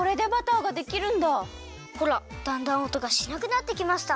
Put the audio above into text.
ほらだんだんおとがしなくなってきました。